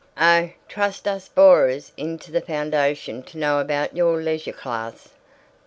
"Oh, trust us borers into the foundation to know about your leisure class.